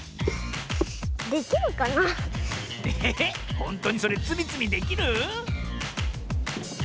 ほんとにそれつみつみできる？